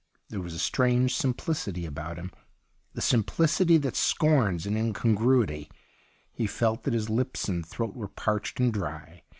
There was a strange simplicity about him, the simphcity that scorns an incon gruity. He felt that his lips and throat were parched and dry.